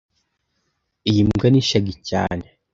Iyi mbwa ni shaggy cyane